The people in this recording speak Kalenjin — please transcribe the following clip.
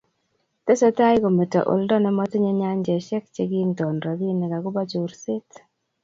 tesetai kometo oldo nemotinyei nyanjesiek che kinton robinik akubo chorset